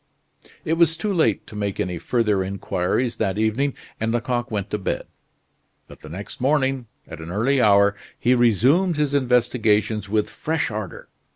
It was too late to make any further inquiries that evening, and Lecoq went to bed; but the next morning, at an early hour, he resumed his investigations with fresh ardor.